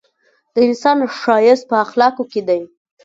د انسان ښایست په اخلاقو کي دی!